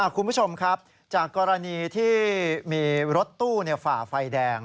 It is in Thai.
คุณผู้ชมครับจากกรณีที่มีรถตู้ฝ่าไฟแดง